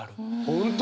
本当？